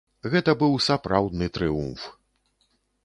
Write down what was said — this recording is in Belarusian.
Гэта быў сапраўдны трыумф!